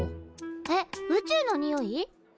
えっ宇宙のにおい？